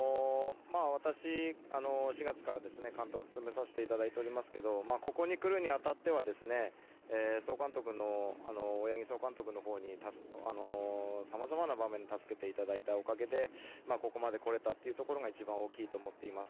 私、４月から監督を務めさせていただいておりますけどここに来るに当たっては大八木総監督のほうにさまざまな場面で助けていただいたおかげでここまで来れたというところが一番大きいと思っています。